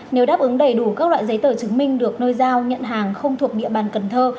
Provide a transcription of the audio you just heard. nếu đáp ứng đầy đủ các loại giấy tờ chứng minh được nơi giao nhận hàng không thuộc địa bàn cần thơ